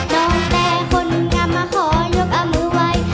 น้องแต่คนงามขอยกอมือไว้